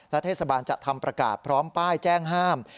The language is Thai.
เทศบาลจะทำประกาศพร้อมป้ายแจ้งห้าม